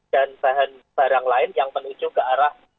dan bahan barang lain yang menuju ke arah